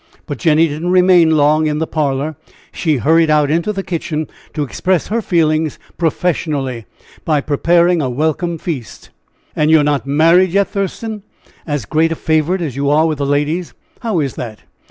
But Jenny did not remain long in the parlor; she hurried out into the kitchen to express her feelings professionally by preparing a welcome feast. "And you are not married yet, Thurston, as great a favorite as you are with the ladies! How is that?